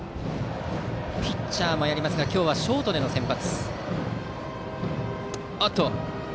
ピッチャーもやりますが今日はショートでの先発。